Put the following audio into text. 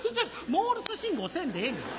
モールス信号せんでええねん！